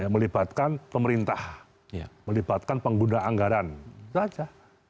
melibatkan pemerintah melibatkan pengguna anggaran itu saja